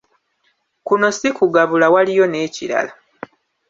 Kuno si kugabula waliyo n'ekirala!